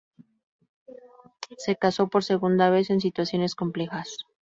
Se casó por segunda vez, en situaciones complejas.